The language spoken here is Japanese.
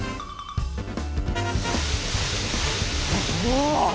お！